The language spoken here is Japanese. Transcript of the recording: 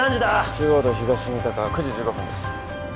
中央道東三鷹９時１５分です